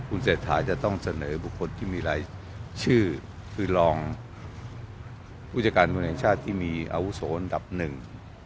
คุณเศรษฐาจะต้องเสนอบุคคลที่มีรายชื่อคือรองผู้จัดการตำรวจแห่งชาติที่มีอาวุโสอันดับหนึ่ง